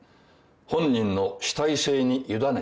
本人の主体性に委ねている。